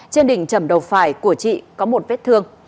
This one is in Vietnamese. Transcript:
trên đỉnh trầm đầu phải của chị có một vết thương